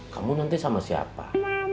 kamu nanti sama siapa